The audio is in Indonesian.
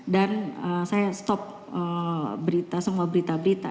dan saya stop berita semua berita berita